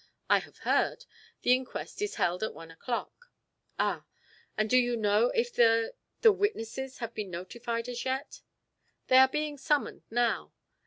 "I have heard. The inquest is held at one o'clock." "Ah! And do you know if the the witnesses have been notified as yet?" "They are being summoned now.